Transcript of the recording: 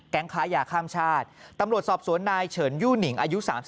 ค้ายาข้ามชาติตำรวจสอบสวนนายเฉินยู่หนิงอายุ๓๓